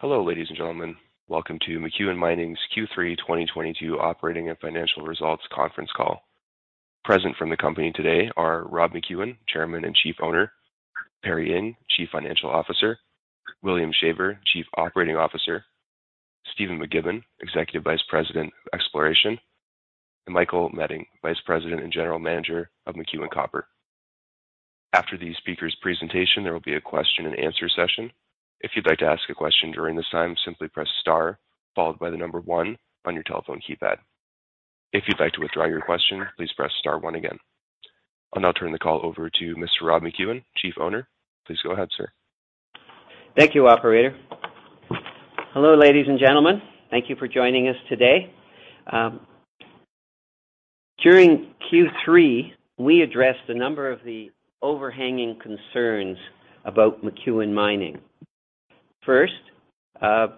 Hello, ladies and gentlemen. Welcome to McEwen Mining's Q3 2022 operating and financial results conference call. Present from the company today are Rob McEwen, Chairman and Chief Owner, Perry Ing, Chief Financial Officer, William Shaver, Chief Operating Officer, Stephen McGibbon, Executive Vice President of Exploration, and Michael Meding, Vice President and General Manager of McEwen Copper. After the speakers' presentation, there will be a question-and-answer session. If you'd like to ask a question during this time, simply press star followed by the number one on your telephone keypad. If you'd like to withdraw your question, please press star one again. I'll now turn the call over to Mr. Rob McEwen, Chief Owner. Please go ahead, sir. Thank you, operator. Hello, ladies and gentlemen. Thank you for joining us today. During Q3, we addressed a number of the overhanging concerns about McEwen Mining. First, the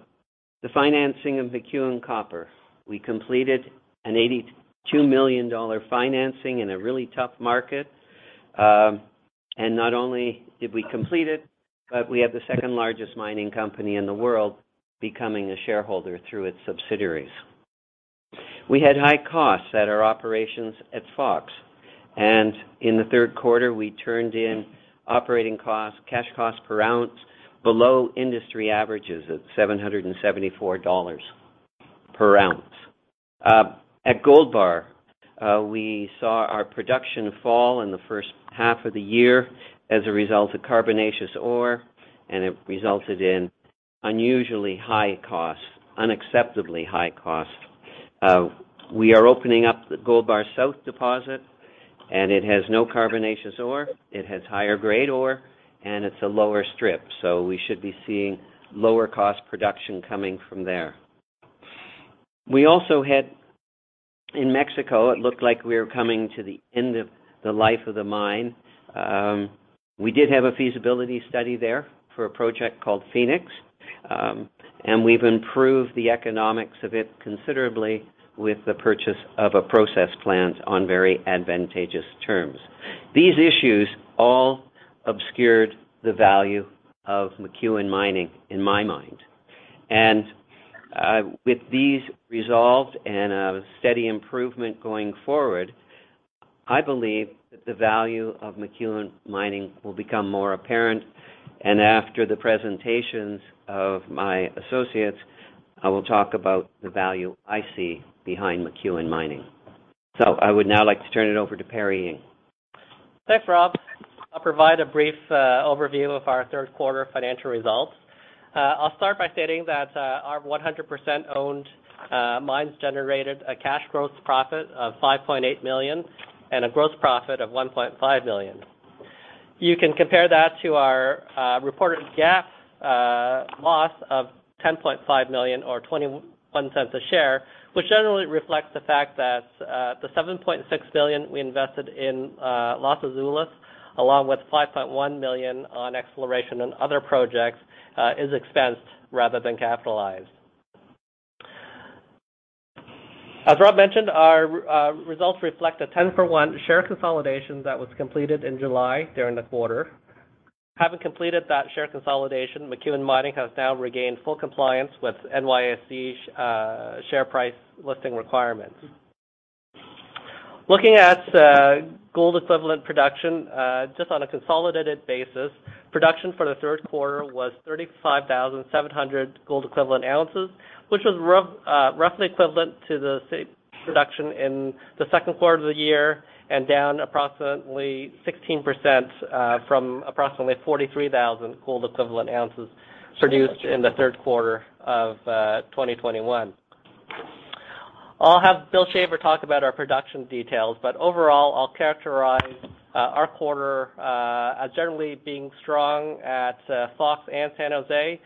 financing of McEwen Copper. We completed an $82 million financing in a really tough market. Not only did we complete it, but we have the second largest mining company in the world becoming a shareholder through its subsidiaries. We had high costs at our operations at Fox, and in the third quarter, we turned in operating costs, cash costs per ounce below industry averages at $774 per ounce. At Gold Bar, we saw our production fall in the first half of the year as a result of carbonaceous ore, and it resulted in unusually high costs, unacceptably high costs. We are opening up the Gold Bar South deposit, and it has no carbonaceous ore, it has higher grade ore, and it's a lower strip, so we should be seeing lower cost production coming from there. We also had. In Mexico, it looked like we were coming to the end of the life of the mine. We did have a feasibility study there for a project called Fenix, and we've improved the economics of it considerably with the purchase of a process plant on very advantageous terms. These issues all obscured the value of McEwen Mining, in my mind. With these resolved and a steady improvement going forward, I believe that the value of McEwen Mining will become more apparent. After the presentations of my associates, I will talk about the value I see behind McEwen Mining. I would now like to turn it over to Perry Ing. Thanks, Rob. I'll provide a brief overview of our third quarter financial results. I'll start by stating that our 100% owned mines generated a cash gross profit of $5.8 million and a gross profit of $1.5 million. You can compare that to our reported GAAP loss of $10.5 million or $0.21 a share, which generally reflects the fact that the $7.6 billion we invested in Los Azules, along with $5.1 million on exploration on other projects, is expensed rather than capitalized. As Rob mentioned, our results reflect a ten-for-one share consolidation that was completed in July during the quarter. Having completed that share consolidation, McEwen Mining has now regained full compliance with NYSE share price listing requirements. Looking at gold equivalent production just on a consolidated basis, production for the third quarter was 35,700 gold equivalent ounces, which was roughly equivalent to the same production in the second quarter of the year and down approximately 16% from approximately 43,000 gold equivalent ounces produced in the third quarter of 2021. I'll have William Shaver talk about our production details, but overall, I'll characterize our quarter as generally being strong at Fox and San José,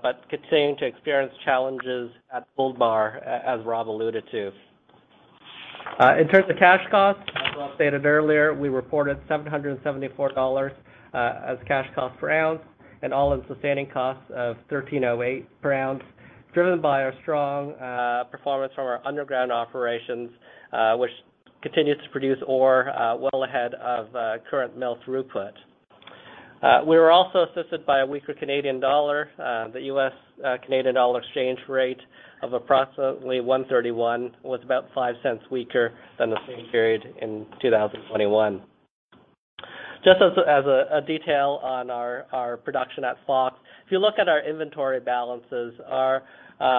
but continuing to experience challenges at Gold Bar, as Rob alluded to. In terms of cash costs, as Rob stated earlier, we reported $774 as cash cost per ounce and all-in sustaining costs of $1,308 per ounce, driven by our strong performance from our underground operations, which continues to produce ore well ahead of current mill throughput. We were also assisted by a weaker Canadian dollar. The U.S. Canadian dollar exchange rate of approximately 1.31 was about five cents weaker than the same period in 2021. Just as a detail on our production at Fox. If you look at our inventory balances, they're about $6 million. There's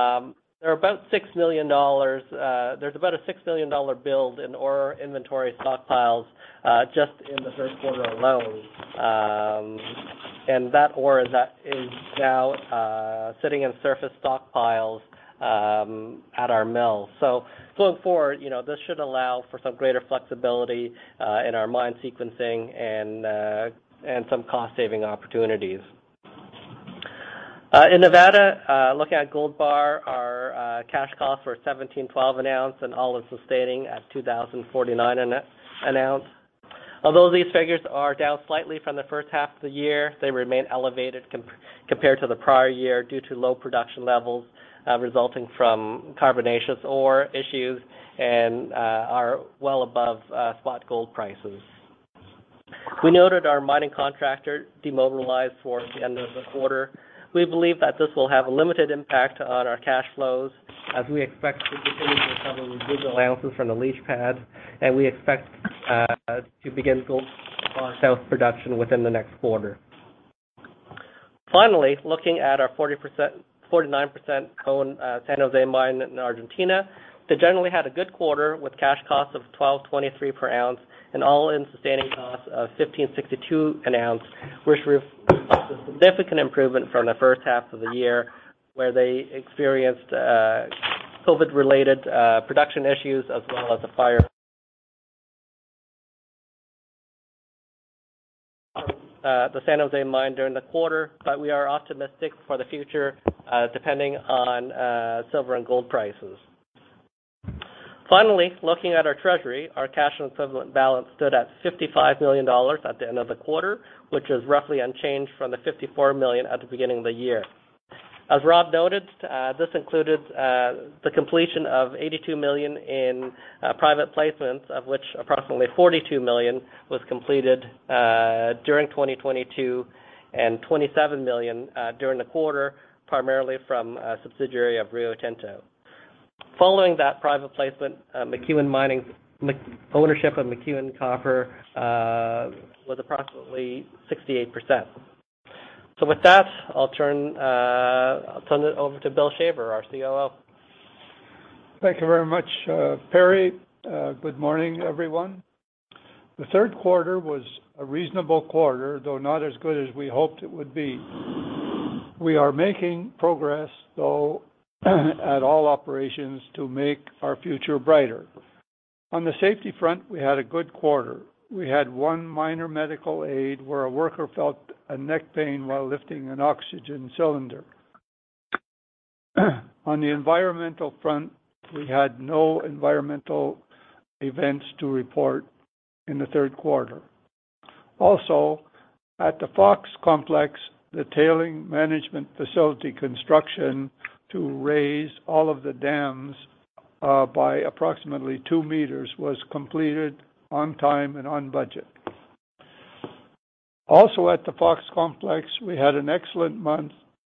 about a $6 million build in ore inventory stockpiles just in the third quarter alone. That ore that is now sitting in surface stockpiles at our mill. Going forward, you know, this should allow for some greater flexibility in our mine sequencing and some cost-saving opportunities. In Nevada, looking at Gold Bar, our cash costs were $1,712 an ounce and all-in sustaining at $2,049 an ounce. Although these figures are down slightly from the first half of the year, they remain elevated compared to the prior year due to low production levels resulting from carbonaceous ore issues and are well above spot gold prices. We noted our mining contractor demobilized towards the end of the quarter. We believe that this will have a limited impact on our cash flows, as we expect to continue to recover residual ounces from the leach pad, and we expect to begin gold ore sales production within the next quarter. Finally, looking at our 49%-owned San José Mine in Argentina, they generally had a good quarter with cash costs of $1,223 per ounce and all-in sustaining costs of $1,562 an ounce, which represents a significant improvement from the first half of the year, where they experienced COVID-related production issues as well as a fire at the San José Mine during the quarter, but we are optimistic for the future depending on silver and gold prices. Finally, looking at our treasury, our cash and equivalent balance stood at $55 million at the end of the quarter, which is roughly unchanged from the $54 million at the beginning of the year. As Rob noted, this included the completion of $82 million in private placements, of which approximately $42 million was completed during 2022 and $27 million during the quarter, primarily from a subsidiary of Rio Tinto. Following that private placement, McEwen Mining's ownership of McEwen Copper was approximately 68%. With that, I'll turn it over to William Shaver, our COO. Thank you very much, Perry. Good morning, everyone. The third quarter was a reasonable quarter, though not as good as we hoped it would be. We are making progress, though, at all operations to make our future brighter. On the safety front, we had a good quarter. We had one minor medical aid where a worker felt a neck pain while lifting an oxygen cylinder. On the environmental front, we had no environmental events to report in the third quarter. Also, at the Fox Complex, the tailings management facility construction to raise all of the dams by approximately 2 m was completed on time and on budget. Also, at the Fox Complex, we had an excellent month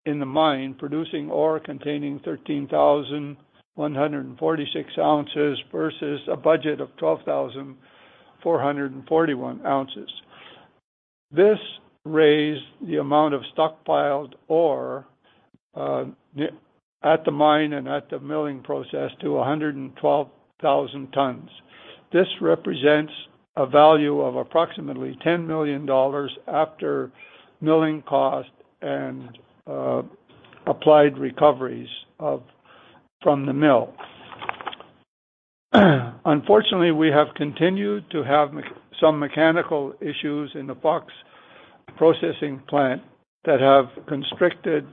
in the mine, producing ore containing 13,146 ounces versus a budget of 12,441 ounces. This raised the amount of stockpiled ore at the mine and at the milling process to 112,000 tons. This represents a value of approximately $10 million after milling cost and applied recoveries from the mill. Unfortunately, we have continued to have some mechanical issues in the Fox processing plant that have constricted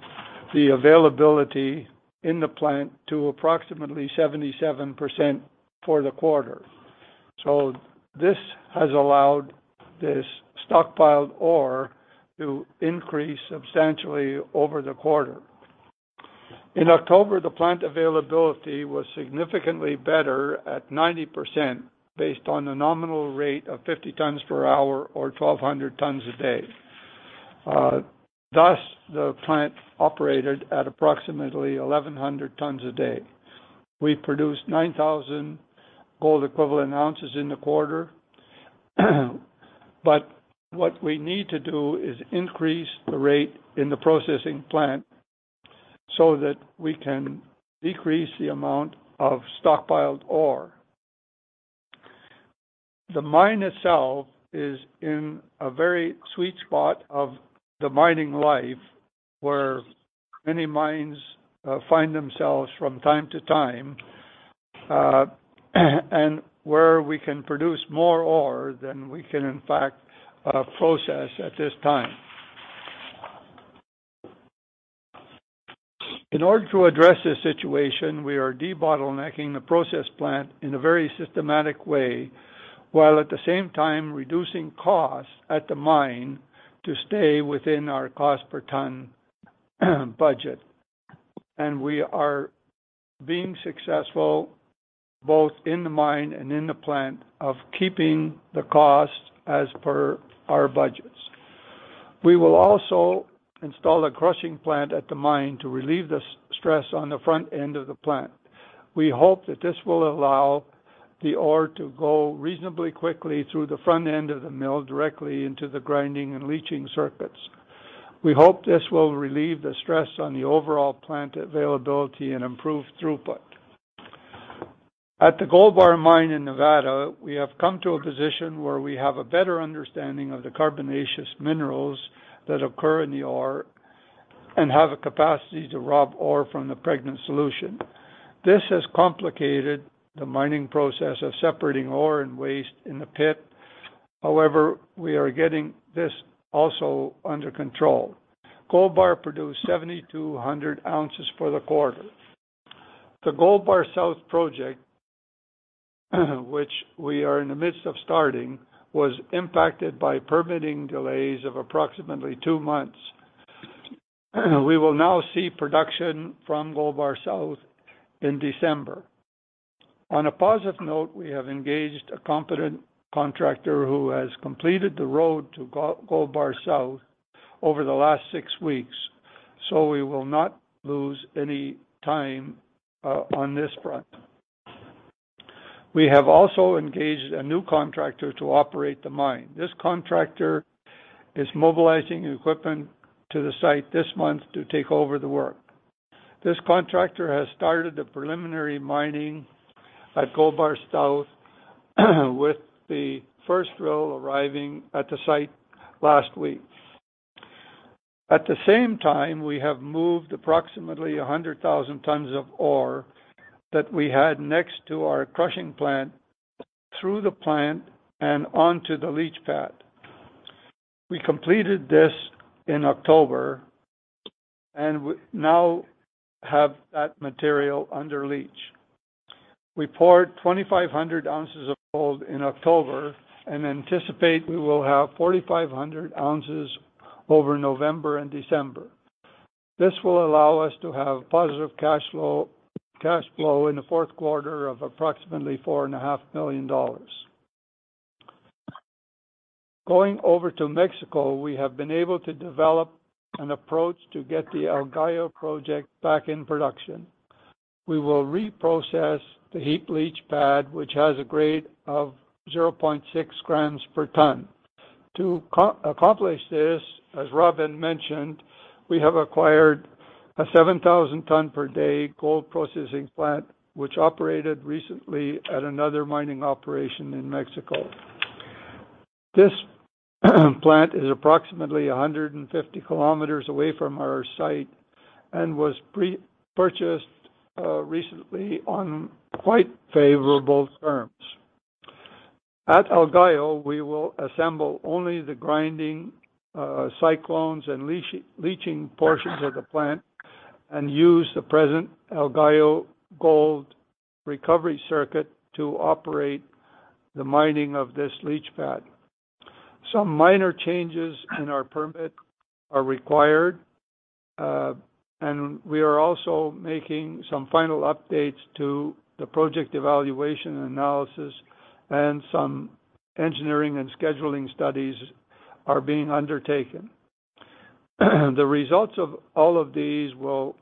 the availability in the plant to approximately 77% for the quarter. This has allowed this stockpiled ore to increase substantially over the quarter. In October, the plant availability was significantly better at 90% based on a nominal rate of 50 tons per hour or 1,200 tons a day. Thus, the plant operated at approximately 1,100 tons a day. We produced 9,000 gold equivalent ounces in the quarter. What we need to do is increase the rate in the processing plant so that we can decrease the amount of stockpiled ore. The mine itself is in a very sweet spot of the mining life, where many mines find themselves from time to time, and where we can produce more ore than we can in fact process at this time. In order to address this situation, we are debottlenecking the process plant in a very systematic way, while at the same time reducing costs at the mine to stay within our cost per ton budget. We are being successful both in the mine and in the plant of keeping the cost as per our budgets. We will also install a crushing plant at the mine to relieve the stress on the front end of the plant. We hope that this will allow the ore to go reasonably quickly through the front end of the mill directly into the grinding and leaching circuits. We hope this will relieve the stress on the overall plant availability and improve throughput. At the Gold Bar mine in Nevada, we have come to a position where we have a better understanding of the carbonaceous minerals that occur in the ore and have a capacity to rob ore from the pregnant solution. This has complicated the mining process of separating ore and waste in the pit. However, we are getting this also under control. Gold Bar produced 7,200 ounces for the quarter. The Gold Bar South project, which we are in the midst of starting, was impacted by permitting delays of approximately two months. We will now see production from Gold Bar South in December. On a positive note, we have engaged a competent contractor who has completed the road to Gold Bar South over the last six weeks, so we will not lose any time on this front. We have also engaged a new contractor to operate the mine. This contractor is mobilizing equipment to the site this month to take over the work. This contractor has started the preliminary mining at Gold Bar South with the first drill arriving at the site last week. At the same time, we have moved approximately 100,000 tons of ore that we had next to our crushing plant through the plant and onto the leach pad. We completed this in October, and now have that material under leach. We poured 2,500 ounces of gold in October and anticipate we will have 4,500 ounces over November and December. This will allow us to have positive cash flow, cash flow in the fourth quarter of approximately $4.5 million. Going over to Mexico, we have been able to develop an approach to get the El Gallo project back in production. We will reprocess the heap leach pad, which has a grade of 0.6 g per ton. To accomplish this, as Robin mentioned, we have acquired a 7,000 ton per day gold processing plant, which operated recently at another mining operation in Mexico. This plant is approximately 150 km away from our site and was purchased recently on quite favorable terms. At El Gallo, we will assemble only the grinding, cyclones and leaching portions of the plant and use the present El Gallo gold recovery circuit to operate the mining of this leach pad. Some minor changes in our permit are required, and we are also making some final updates to the project evaluation analysis, and some engineering and scheduling studies are being undertaken. The results of all of these will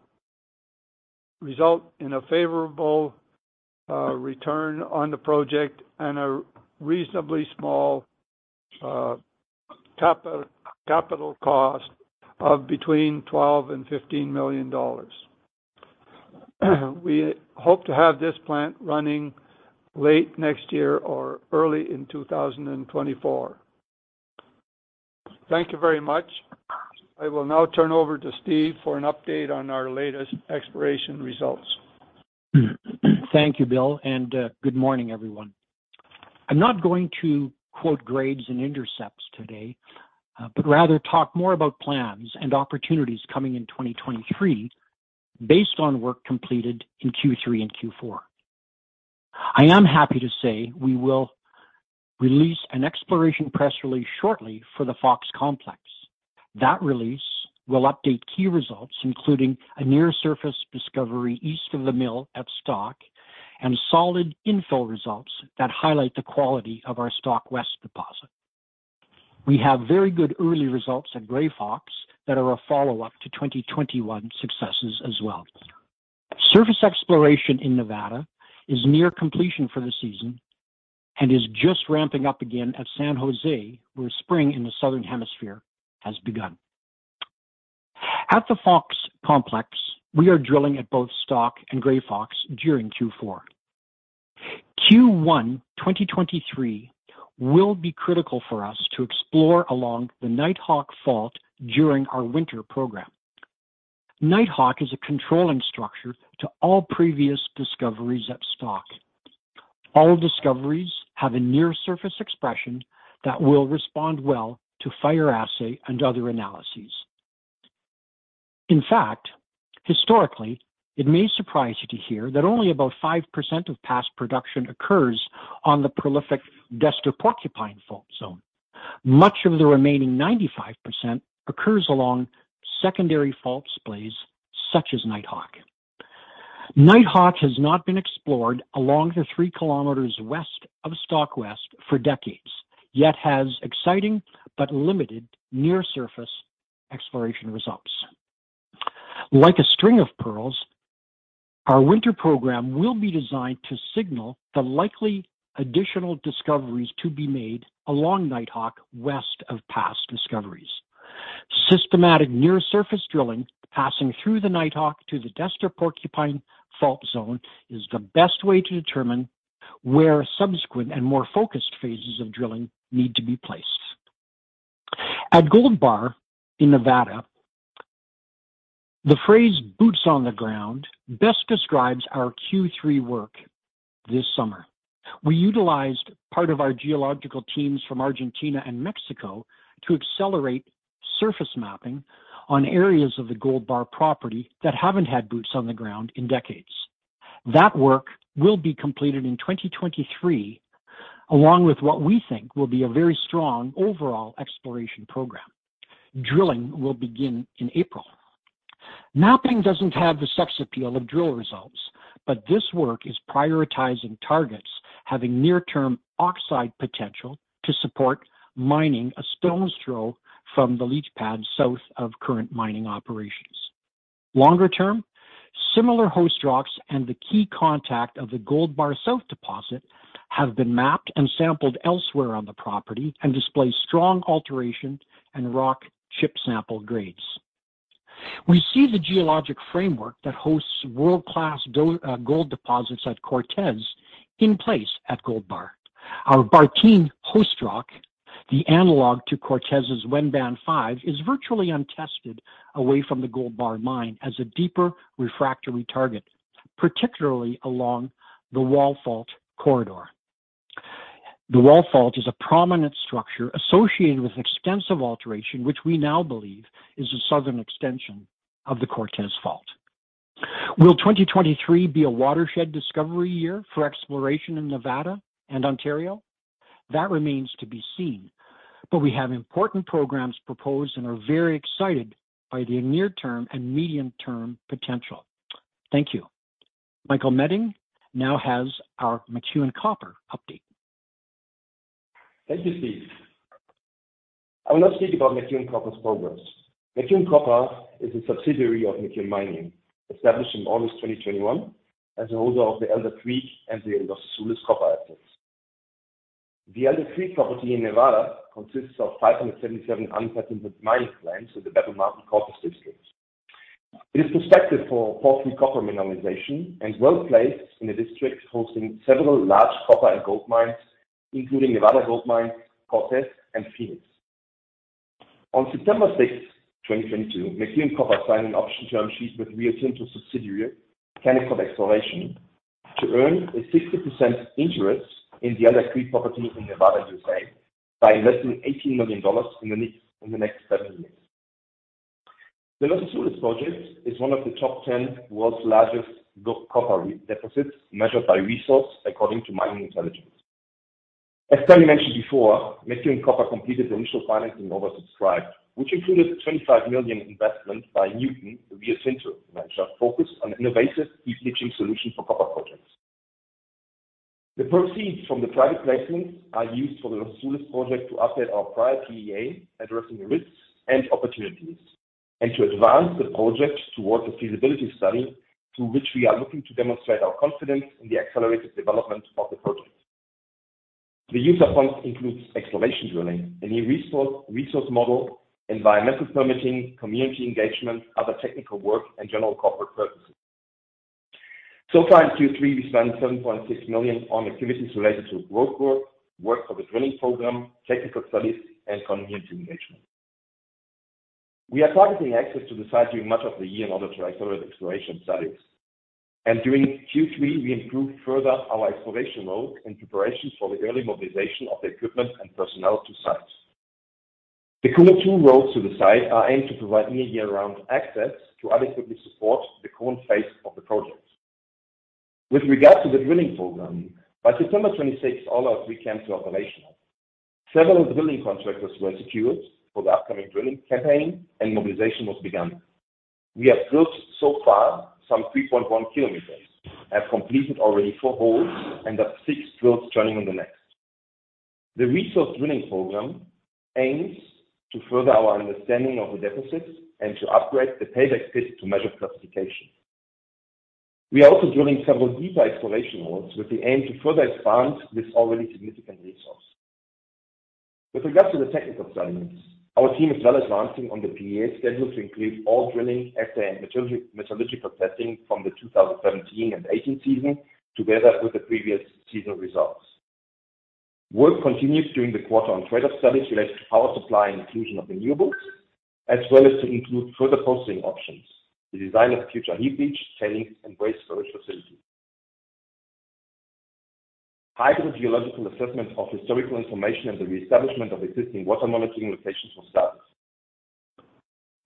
result in a favorable return on the project and a reasonably small capital cost of between $12 million and $15 million. We hope to have this plant running late next year or early in 2024. Thank you very much. I will now turn over to Stephen for an update on our latest exploration results. Thank you, William, and good morning, everyone. I'm not going to quote grades and intercepts today, but rather talk more about plans and opportunities coming in 2023 based on work completed in Q3 and Q4. I am happy to say we will release an exploration press release shortly for the Fox Complex. That release will update key results, including a near surface discovery east of the mill at Stock and solid infill results that highlight the quality of our Stock West deposit. We have very good early results at Gray Fox that are a follow-up to 2021 successes as well. Surface exploration in Nevada is near completion for the season and is just ramping up again at San José, where spring in the southern hemisphere has begun. At the Fox Complex, we are drilling at both Stock and Gray Fox during Q4. Q1 2023 will be critical for us to explore along the Nighthawk fault during our winter program. Nighthawk is a controlling structure to all previous discoveries at Stock. All discoveries have a near surface expression that will respond well to fire assay and other analyses. In fact, historically, it may surprise you to hear that only about 5% of past production occurs on the prolific Destor-Porcupine fault zone. Much of the remaining 95% occurs along secondary fault splays such as Nighthawk. Nighthawk has not been explored along the 3 km west of Stock West for decades, yet has exciting but limited near surface exploration results. Like a string of pearls, our winter program will be designed to signal the likely additional discoveries to be made along Nighthawk, west of past discoveries. Systematic near surface drilling passing through the Nighthawk to the Destor-Porcupine fault zone is the best way to determine where subsequent and more focused phases of drilling need to be placed. At Gold Bar in Nevada, the phrase boots on the ground best describes our Q3 work this summer. We utilized part of our geological teams from Argentina and Mexico to accelerate surface mapping on areas of the Gold Bar property that haven't had boots on the ground in decades. That work will be completed in 2023. Along with what we think will be a very strong overall exploration program. Drilling will begin in April. Mapping doesn't have the sex appeal of drill results, but this work is prioritizing targets having near-term oxide potential to support mining a stone's throw from the leach pad south of current mining operations. Longer term, similar host rocks and the key contact of the Gold Bar South deposit have been mapped and sampled elsewhere on the property and display strong alteration and rock chip sample grades. We see the geologic framework that hosts world-class gold deposits at Cortez in place at Gold Bar. Our Bartine host rock, the analog to Cortez's Wenban 5, is virtually untested away from the Gold Bar mine as a deeper refractory target, particularly along the Wall Fault corridor. The Wall Fault is a prominent structure associated with extensive alteration, which we now believe is a southern extension of the Cortez fault. Will 2023 be a watershed discovery year for exploration in Nevada and Ontario? That remains to be seen, but we have important programs proposed and are very excited by the near-term and medium-term potential. Thank you. Michael Meding now has our McEwen Copper update. Thank you, Steve. I will now speak about McEwen Copper's progress. McEwen Copper is a subsidiary of McEwen Mining, established in August 2021 as the holder of the Elder Creek and the Los Azules copper assets. The Elder Creek property in Nevada consists of 577 unpatented mining claims in the Battle Mountain-Cortez district. It is prospective for porphyry copper mineralization and well-placed in a district hosting several large copper and gold mines, including Nevada Gold Mines, Cortez, and Phoenix. On September 6, 2022, McEwen Copper signed an option term sheet with Rio Tinto subsidiary, Kennecott Exploration, to earn a 60% interest in the Elder Creek property in Nevada, U.S.A., by investing $18 million in the next seven years. The Los Azules project is one of the top 10 world's largest copper deposits measured by resource according to Mining Intelligence. As Tony mentioned before, McEwen Copper completed the initial financing oversubscribed, which included a $25 million investment by Nuton, a Rio Tinto venture focused on innovative heap leaching solutions for copper projects. The proceeds from the private placements are used for the Los Azules project to update our prior PEA, addressing the risks and opportunities, and to advance the project towards a feasibility study to which we are looking to demonstrate our confidence in the accelerated development of the project. The use of funds includes exploration drilling, a new resource model, environmental permitting, community engagement, other technical work, and general corporate purposes. So far in Q3, we spent $7.6 million on activities related to groundwork, work for the drilling program, technical studies, and community engagement. We are targeting access to the site during much of the year in order to accelerate exploration studies. During Q3, we improved further our exploration roads in preparation for the early mobilization of the equipment and personnel to sites. The current two roads to the site are aimed to provide near year-round access to adequately support the current phase of the project. With regard to the drilling program, by September 26th, all our three camps were operational. Several drilling contractors were secured for the upcoming drilling campaign, and mobilization was begun. We have drilled so far some 3.1 km, have completed already four holes, and have six drills turning on the next. The resource drilling program aims to further our understanding of the deposit and to upgrade the open pit to measured classification. We are also drilling several deeper exploration holes with the aim to further expand this already significant resource. With regard to the technical studies, our team is well advancing on the PEA schedule to include all drilling, assay, and metallurgical testing from the 2017 and 2018 season together with the previous season results. Work continues during the quarter on trade-off studies related to power supply and inclusion of renewables, as well as to include further processing options, the design of future heap leach, tailings, and waste storage facilities. Hydrogeological assessment of historical information and the reestablishment of existing water monitoring locations was started.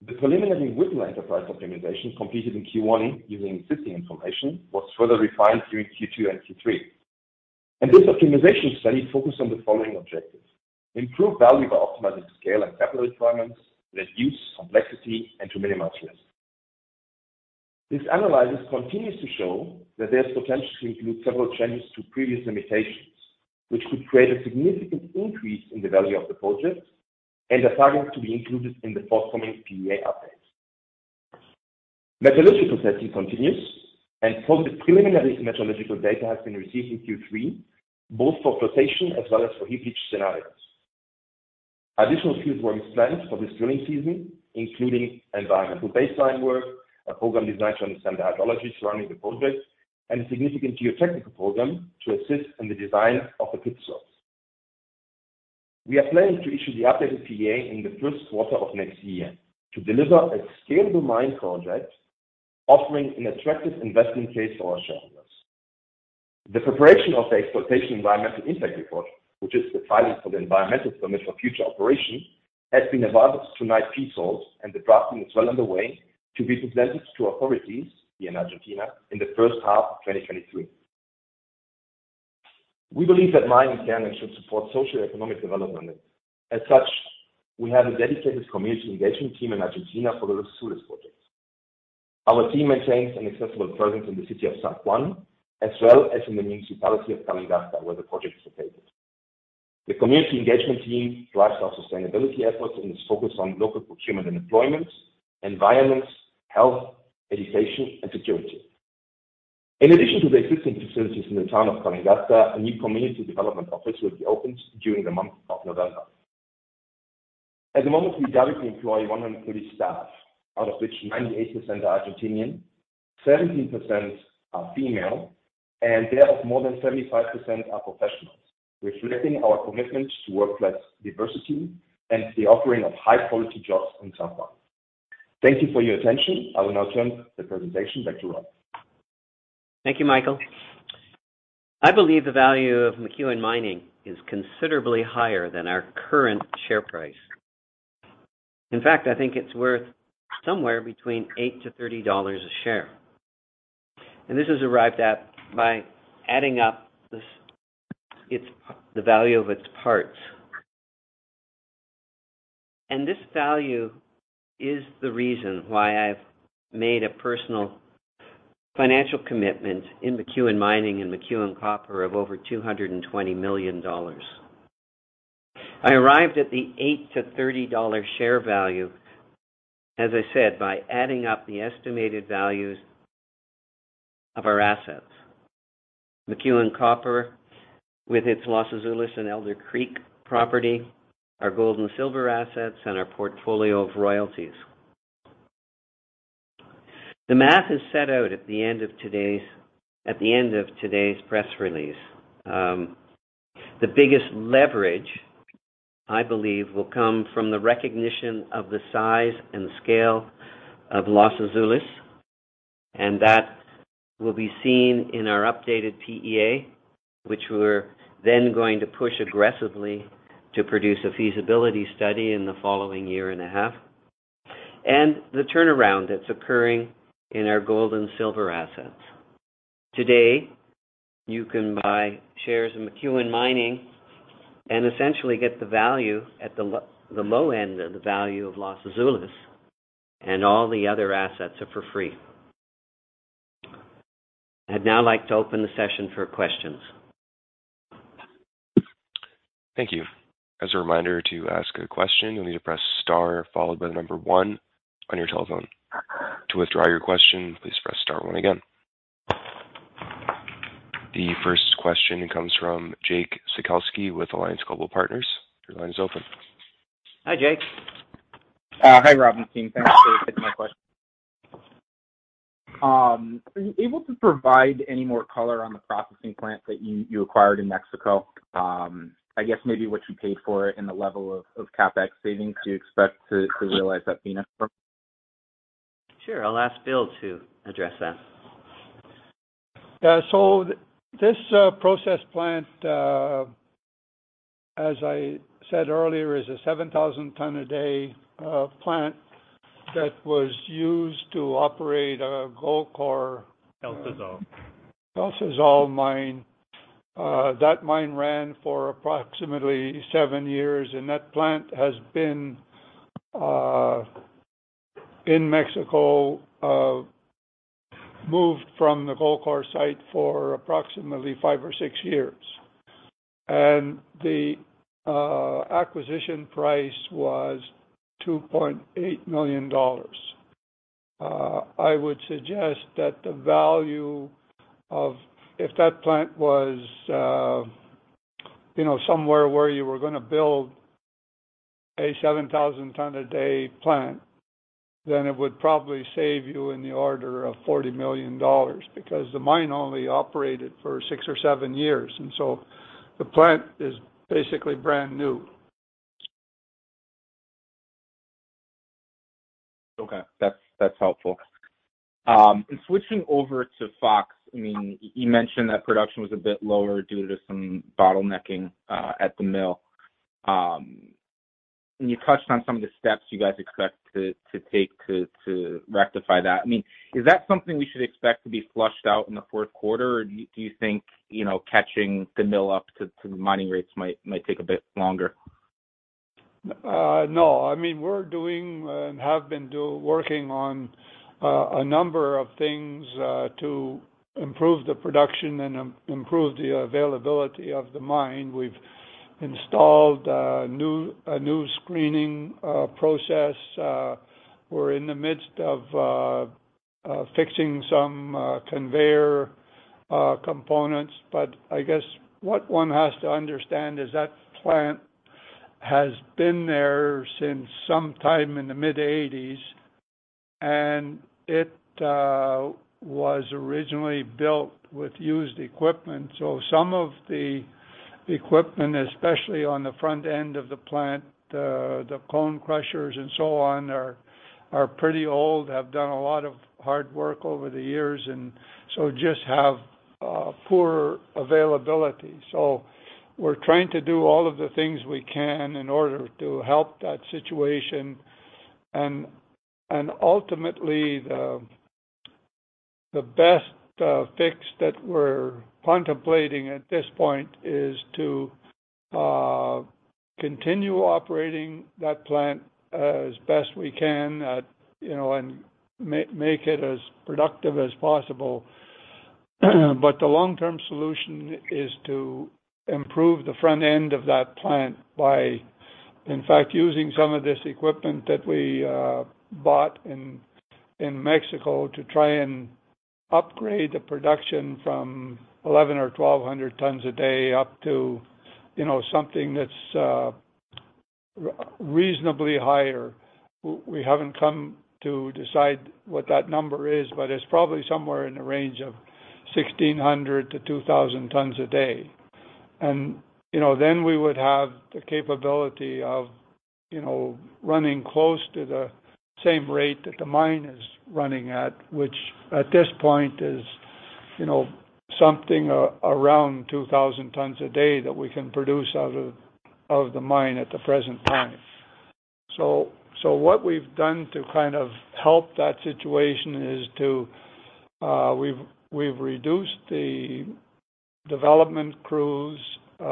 The preliminary Whittle Enterprise Optimization completed in Q1 using existing information was further refined during Q2 and Q3. This optimization study focused on the following objectives. Improve value by optimizing scale and capital requirements, reduce complexity, and to minimize risk. This analysis continues to show that there's potential to include several changes to previous limitations, which could create a significant increase in the value of the project and are targeted to be included in the forthcoming PEA update. Metallurgical testing continues, and further preliminary metallurgical data has been received in Q3, both for flotation as well as for heap leach scenarios. Additional infills were planned for this drilling season, including environmental baseline work, a program designed to understand the hydrology surrounding the project, and a significant geotechnical program to assist in the design of the pit walls. We are planning to issue the updated PEA in the first quarter of next year to deliver a scalable mine project offering an attractive investment case for our shareholders. The preparation of the exploitation environmental impact report, which is the filing for the environmental permit for future operation. Has been advanced to nine PSOIs, and the drafting is well underway to be presented to authorities here in Argentina in the first half of 2023. We believe that mining standards should support socio-economic development. As such, we have a dedicated community engagement team in Argentina for the Los Azules project. Our team maintains an accessible presence in the city of San Juan, as well as in the municipality of Calingasta, where the project is located. The community engagement team drives our sustainability efforts and is focused on local procurement and employment, environment, health, education, and security. In addition to the existing facilities in the town of Calingasta, a new community development office will be opened during the month of November. At the moment, we directly employ 130 staff, out of which 98% are Argentinian, 17% are female, and thereof more than 75% are professionals, reflecting our commitment to workplace diversity and the offering of high-quality jobs in San Juan. Thank you for your attention. I will now turn the presentation back to Rob. Thank you, Michael. I believe the value of McEwen Mining is considerably higher than our current share price. In fact, I think it's worth somewhere between $8-$30 a share. This is arrived at by adding up the value of its parts. This value is the reason why I've made a personal financial commitment in McEwen Mining and McEwen Copper of over $220 million. I arrived at the $8-$30 share value, as I said, by adding up the estimated values of our assets. McEwen Copper with its Los Azules and Elder Creek property, our gold and silver assets, and our portfolio of royalties. The math is set out at the end of today's press release. The biggest leverage, I believe, will come from the recognition of the size and scale of Los Azules, and that will be seen in our updated PEA, which we're then going to push aggressively to produce a feasibility study in the following year and a half. The turnaround that's occurring in our gold and silver assets. Today, you can buy shares in McEwen Mining and essentially get the value at the low end of the value of Los Azules, and all the other assets are for free. I'd now like to open the session for questions. Thank you. As a reminder, to ask a question, you'll need to press star followed by the number one on your telephone. To withdraw your question, please press star one again. The first question comes from Jake Sekelsky with Alliance Global Partners. Your line is open. Hi, Jake. Hi, Rob and team. Thanks for taking my question. Are you able to provide any more color on the processing plant that you acquired in Mexico? I guess maybe what you paid for it and the level of CapEx savings you expect to realize that being a? Sure. I'll ask Bill to address that. This process plant, as I said earlier, is a 7,000 ton a day plant that was used to operate a Goldcorp El Sauzal El Sauzal mine. That mine ran for approximately seven years, and that plant has been, in Mexico, moved from the Goldcorp site for approximately five or six years. The acquisition price was $2.8 million. If that plant was, you know, somewhere where you were gonna build a 7,000 ton a day plant, then it would probably save you in the order of $40 million because the mine only operated for six or seven years. The plant is basically brand new. Okay. That's helpful. Switching over to Fox, I mean, you mentioned that production was a bit lower due to some bottlenecking at the mill. You touched on some of the steps you guys expect to take to rectify that. I mean, is that something we should expect to be flushed out in the fourth quarter? Or do you think, you know, catching the mill up to mining rates might take a bit longer? No. I mean, we're doing and have been working on a number of things to improve the production and improve the availability of the mine. We've installed a new screening process. We're in the midst of fixing some conveyor components. I guess what one has to understand is that plant has been there since some time in the mid-eighties, and it was originally built with used equipment. Some of the equipment, especially on the front end of the plant, the cone crushers and so on are pretty old, have done a lot of hard work over the years and so just have poor availability. We're trying to do all of the things we can in order to help that situation. Ultimately, the best fix that we're contemplating at this point is to continue operating that plant as best we can, you know, and make it as productive as possible. The long-term solution is to improve the front end of that plant by, in fact, using some of this equipment that we bought in Mexico to try and upgrade the production from 1,100 or 1,200 tons a day up to, you know, something that's reasonably higher. We haven't come to decide what that number is, but it's probably somewhere in the range of 1,600 tons-2,000 tons a day. You know, then we would have the capability of, you know, running close to the same rate that the mine is running at, which at this point is, you know, something around 2,000 tons a day that we can produce out of the mine at the present time. What we've done to kind of help that situation is, we've reduced the development crews. You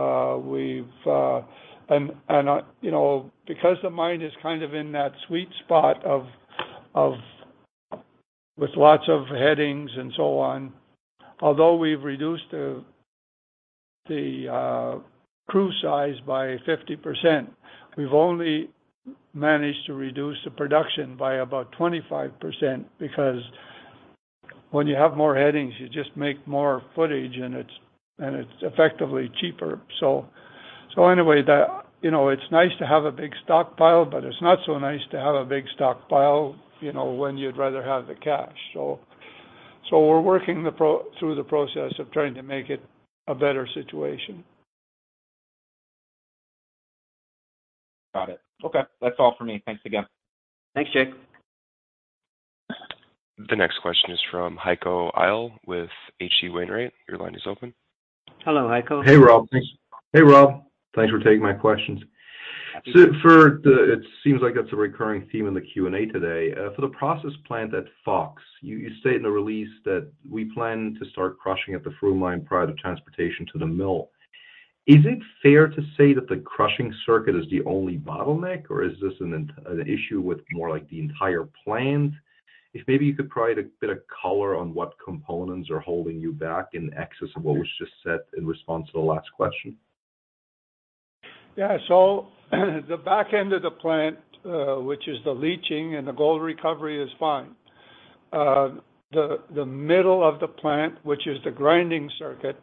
know, because the mine is kind of in that sweet spot of with lots of headings and so on, although we've reduced the crew size by 50%, we've only managed to reduce the production by about 25%, because when you have more headings, you just make more footage, and it's effectively cheaper. Anyway, that, you know, it's nice to have a big stockpile, but it's not so nice to have a big stockpile, you know, when you'd rather have the cash. We're working through the process of trying to make it a better situation. Got it. Okay. That's all for me. Thanks again. Thanks, Jake. The next question is from Heiko Ihle with H.C. Wainwright. Your line is open. Hello, Heiko. Hey, Rob. Thanks for taking my questions. Happy to. It seems like that's a recurring theme in the Q&A today. For the process plant at Fox, you state in the release that we plan to start crushing at the Stock Mine prior to transportation to the mill. Is it fair to say that the crushing circuit is the only bottleneck, or is this an issue with more like the entire plant? If maybe you could provide a bit of color on what components are holding you back in excess of what was just said in response to the last question. Yeah. The back end of the plant, which is the leaching and the gold recovery is fine. The middle of the plant, which is the grinding circuit,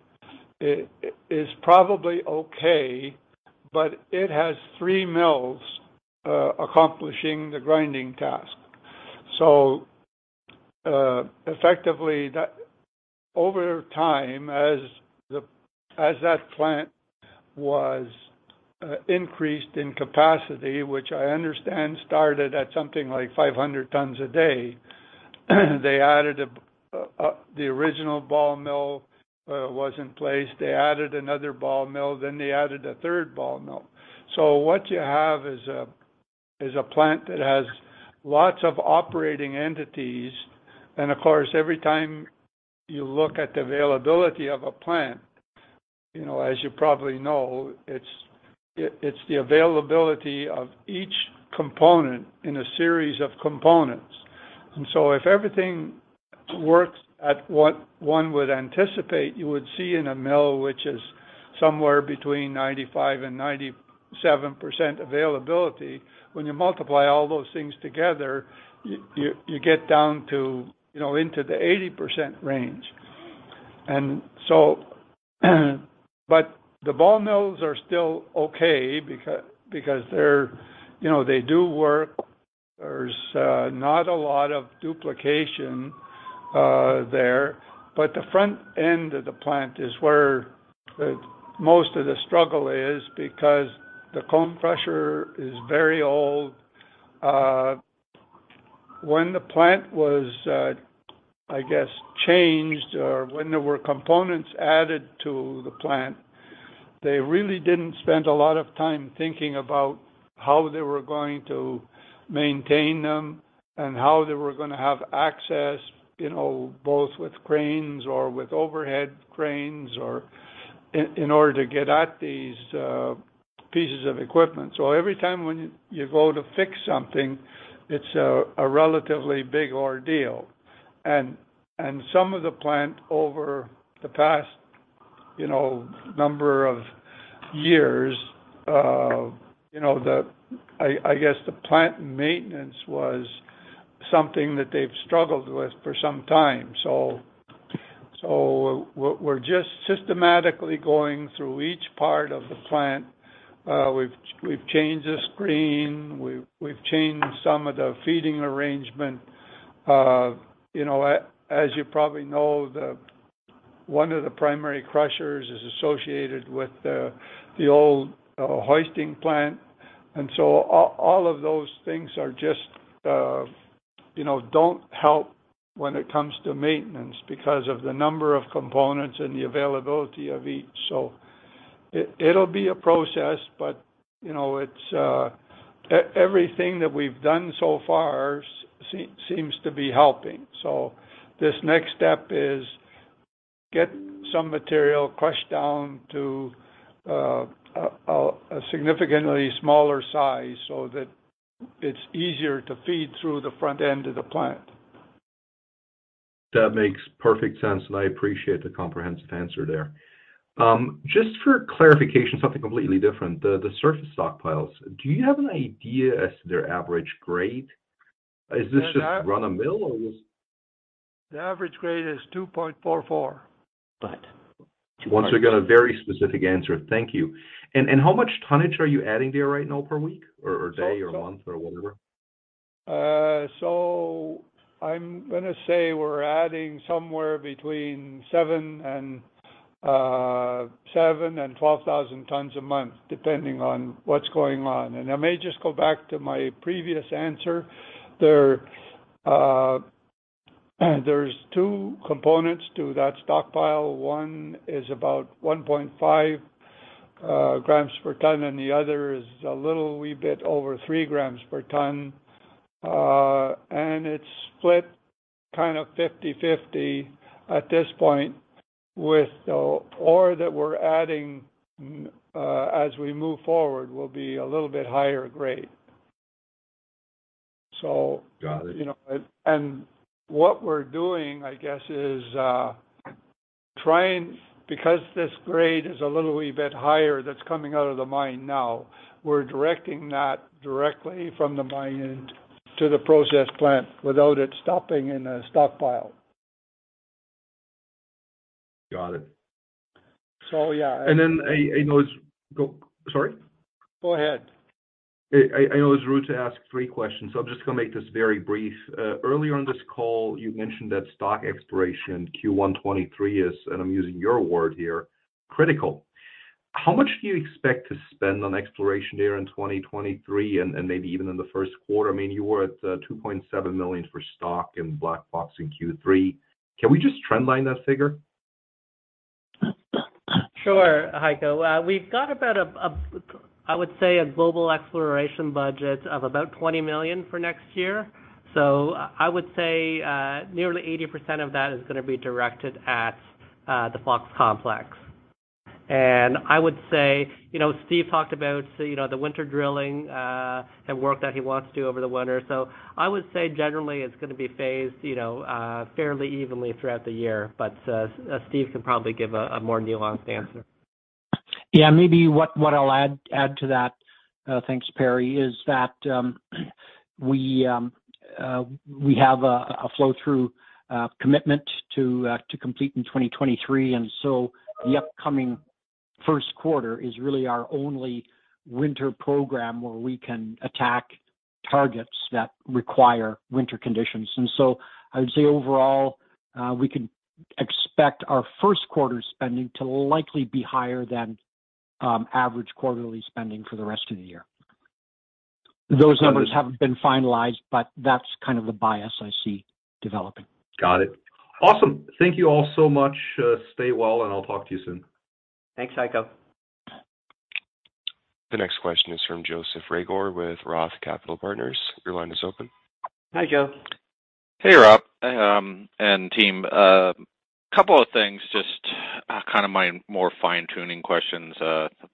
is probably okay, but it has three mills accomplishing the grinding task. Effectively, that over time, as that plant was increased in capacity, which I understand started at something like 500 tons a day, the original ball mill was in place. They added another ball mill, then they added a third ball mill. What you have is a plant that has lots of operating entities. Of course, every time you look at the availability of a plant, you know, as you probably know, it's the availability of each component in a series of components. If everything works at what one would anticipate, you would see in a mill, which is somewhere between 95%-97% availability. When you multiply all those things together, you get down to, you know, into the 80% range. The ball mills are still okay because they're, you know, they do work. There's not a lot of duplication there. The front end of the plant is where most of the struggle is because the cone crusher is very old. When the plant was, I guess, changed or when there were components added to the plant, they really didn't spend a lot of time thinking about how they were going to maintain them and how they were gonna have access, you know, both with cranes or with overhead cranes or. In order to get at these pieces of equipment. Every time when you go to fix something, it's a relatively big ordeal. Some of the plant over the past, you know, number of years, you know, I guess the plant maintenance was something that they've struggled with for some time. We're just systematically going through each part of the plant. We've changed the screen, we've changed some of the feeding arrangement. You know, as you probably know, one of the primary crushers is associated with the old hoisting plant. All of those things are just, you know, don't help when it comes to maintenance because of the number of components and the availability of each. It'll be a process, but you know, it's everything that we've done so far seems to be helping. This next step is get some material crushed down to a significantly smaller size so that it's easier to feed through the front end of the plant. That makes perfect sense, and I appreciate the comprehensive answer there. Just for clarification, something completely different. The surface stockpiles, do you have an idea as to their average grade? Is this just run-of-the-mill or just- The average grade is 2.44. Got it. Once again, a very specific answer. Thank you. How much tonnage are you adding there right now per week or day or month or whatever? I'm gonna say we're adding somewhere between 7,000 and 12,000 tons a month, depending on what's going on. I may just go back to my previous answer. There are two components to that stockpile. One is about 1.5 grams per ton, and the other is a little bit over 3 grams per ton. It's split kind of 50/50 at this point with the ore that we're adding, as we move forward will be a little bit higher grade. Got it. You know, what we're doing, I guess, is trying because this grade is a little wee bit higher that's coming out of the mine now, we're directing that directly from the mine end to the process plant without it stopping in a stockpile. Got it. Yeah. Go. Sorry? Go ahead. I know it's rude to ask three questions, so I'm just gonna make this very brief. Earlier in this call you mentioned that Stock exploration Q1 2023 is, and I'm using your word here, critical. How much do you expect to spend on exploration there in 2023 and maybe even in the first quarter? I mean, you were at $2.7 million for Stock in Black Fox in Q3. Can we just trendline that figure? Sure, Heiko. We've got about, I would say, a global exploration budget of about $20 million for next year. I would say nearly 80% of that is gonna be directed at the Fox Complex. I would say, you know, Steve talked about, you know, the winter drilling and work that he wants to do over the winter. I would say generally it's gonna be phased, you know, fairly evenly throughout the year. Steve can probably give a more nuanced answer. Yeah. Maybe what I'll add to that, thanks, Perry, is that we have a flow through commitment to complete in 2023. The upcoming first quarter is really our only winter program where we can attack targets that require winter conditions. I would say overall, we could expect our first quarter spending to likely be higher than average quarterly spending for the rest of the year. Those numbers haven't been finalized, but that's kind of the bias I see developing. Got it. Awesome. Thank you all so much. Stay well, and I'll talk to you soon. Thanks, Heiko. The next question is from Joseph Reagor with Roth Capital Partners. Your line is open. Hi, Joe. Hey, Rob, and team. Couple of things, just kind of my more fine-tuning questions.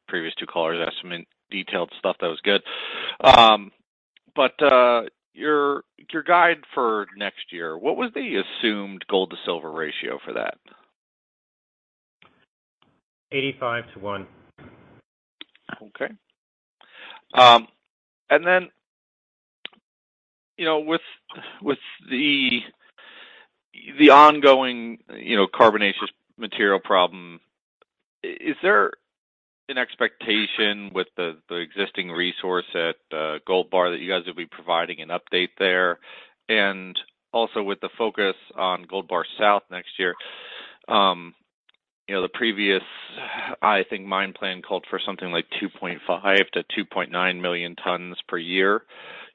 Previous two callers asked some detailed stuff, that was good. Your guide for next year, what was the assumed gold to silver ratio for that? 85 to 1. Okay. And then, you know, with the ongoing, you know, carbonaceous material problem, is there an expectation with the existing resource at Gold Bar that you guys will be providing an update there? Also with the focus on Gold Bar South next year, you know, the previous, I think, mine plan called for something like 2.5-2.9 million tons per year.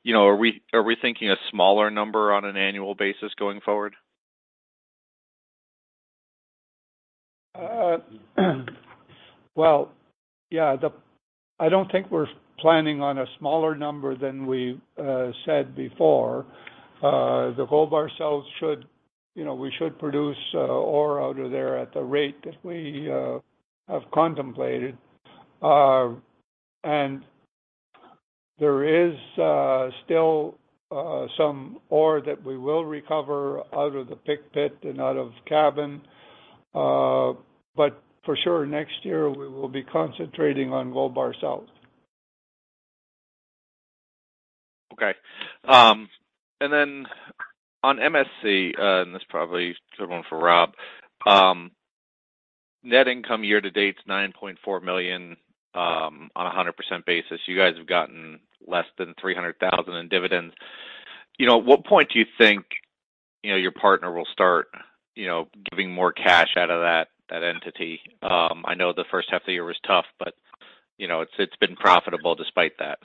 You know, are we thinking a smaller number on an annual basis going forward? Well, yeah, I don't think we're planning on a smaller number than we said before. The Gold Bar South should, you know, we should produce ore out of there at the rate that we have contemplated. There is still some ore that we will recover out of the Pick pit and out of Cabin. For sure, next year we will be concentrating on Gold Bar South. Okay. On MSC, and this is probably sort of one for Rob, net income year to date's $9.4 million, on a 100% basis. You guys have gotten less than $300,000 in dividends. You know, at what point do you think? You know, your partner will start, you know, giving more cash out of that entity. I know the first half of the year was tough, but, you know, it's been profitable despite that.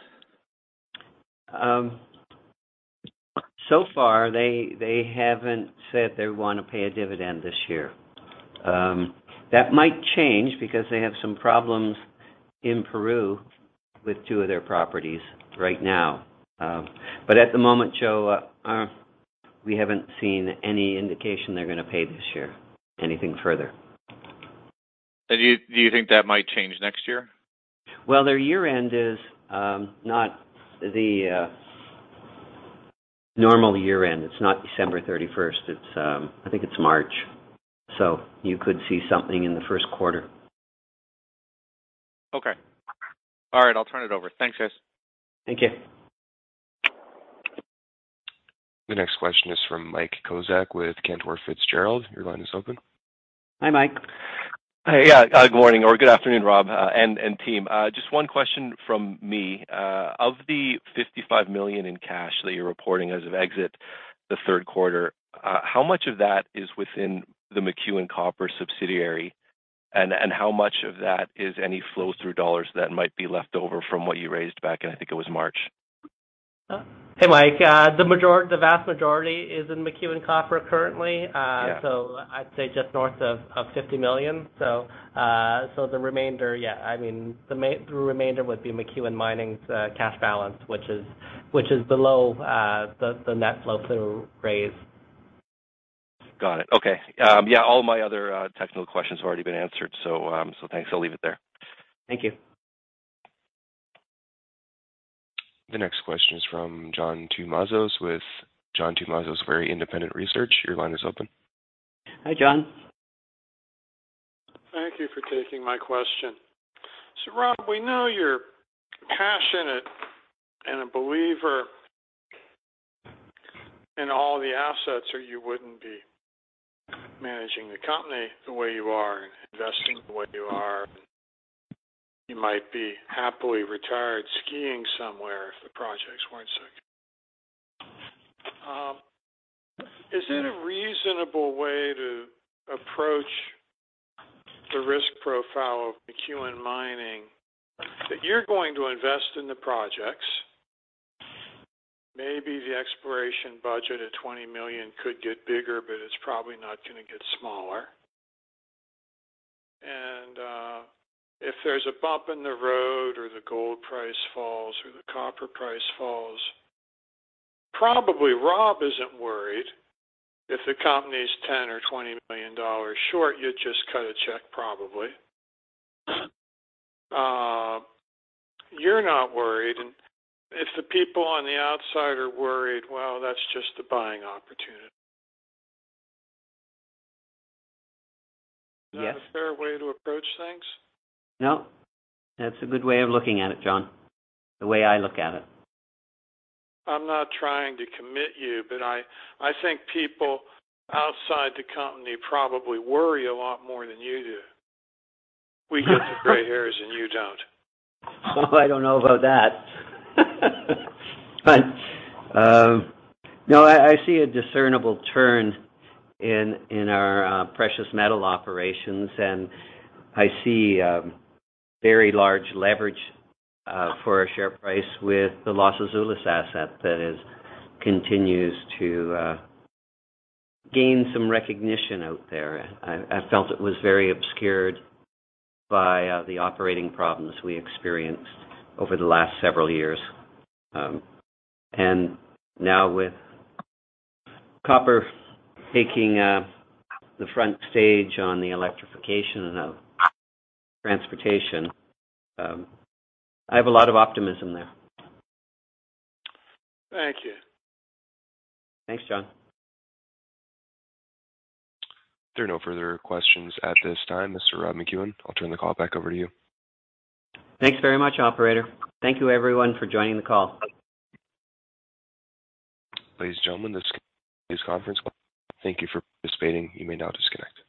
So far, they haven't said they want to pay a dividend this year. That might change because they have some problems in Peru with two of their properties right now. At the moment, Joe, we haven't seen any indication they're gonna pay this year anything further. Do you think that might change next year? Well, their year-end is not the normal year-end. It's not December thirty-first. It's, I think it's March. You could see something in the first quarter. Okay. All right, I'll turn it over. Thanks, guys. Thank you. The next question is from Mike Kozak with Cantor Fitzgerald. Your line is open. Hi, Mike. Hey. Yeah, good morning or good afternoon, Rob, and team. Just one question from me. Of the $55 million in cash that you're reporting as of the end of the third quarter, how much of that is within the McEwen Copper subsidiary? And how much of that is any flow-through dollars that might be left over from what you raised back in, I think it was March? Hey, Mike. The vast majority is in McEwen Copper currently. Yeah. I'd say just north of $50 million. The remainder, I mean, would be McEwen Mining's cash balance, which is below the net flow-through raise. Got it. Okay. Yeah, all my other technical questions have already been answered, so thanks. I'll leave it there. Thank you. The next question is from John Tumazos with John Tumazos Very Independent Research. Your line is open. Hi, John. Thank you for taking my question. Rob, we know you're passionate and a believer in all the assets or you wouldn't be managing the company the way you are and investing the way you are. You might be happily retired skiing somewhere if the projects weren't sick. Is it a reasonable way to approach the risk profile of McEwen Mining that you're going to invest in the projects? Maybe the exploration budget of $20 million could get bigger, but it's probably not gonna get smaller. If there's a bump in the road or the gold price falls or the copper price falls, probably Rob isn't worried if the company's $10 or $20 million short, you'd just cut a check probably. You're not worried. If the people on the outside are worried, well, that's just a buying opportunity. Yes. Is that a fair way to approach things? No, that's a good way of looking at it, John. The way I look at it. I'm not trying to commit you, but I think people outside the company probably worry a lot more than you do. We get the gray hairs and you don't. I don't know about that. No, I see a discernible turn in our precious metal operations, and I see very large leverage for our share price with the Los Azules asset that continues to gain some recognition out there. I felt it was very obscured by the operating problems we experienced over the last several years. Now with copper taking the front stage on the electrification of transportation, I have a lot of optimism there. Thank you. Thanks, John. There are no further questions at this time. Mr. Rob McEwen, I'll turn the call back over to you. Thanks very much, operator. Thank you everyone for joining the call. Ladies and gentlemen, this conference call. Thank you for participating. You may now disconnect.